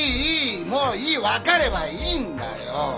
もういい分かればいいんだよ